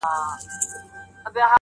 د نیکه ږغ-